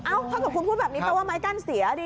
เอ้าเขากับคุณพูดแบบนี้เพราะว่าไม้กั้นเสียดิ